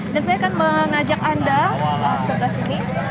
dan saya akan mengajak anda setelah sini